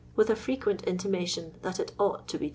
with a frequent intimation that it ought to be 2$.